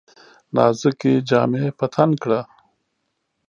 نازکي جامې په تن کړه !